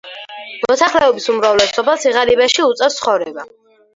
მოსახლეობის უმრავლესობას სიღარიბეში უწევს ცხოვრება.